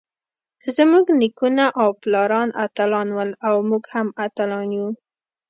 زمونږ نيکونه او پلاران اتلان ول اؤ مونږ هم اتلان يو.